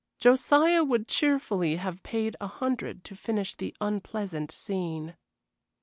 Josiah would cheerfully have paid a hundred to finish the unpleasant scene.